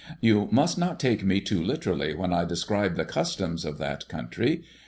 You must not take me too literally when I describe the customs of that country.